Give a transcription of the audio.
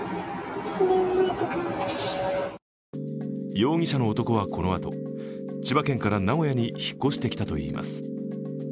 容疑者の男はこのあと千葉県から名古屋に引っ越してきたといいます。